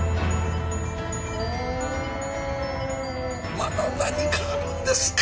まだ何かあるんですか？